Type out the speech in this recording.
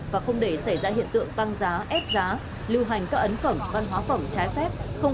và không để xảy ra hiện tượng tăng giá ép giá lưu hành các ấn phẩm văn hóa phẩm trái phép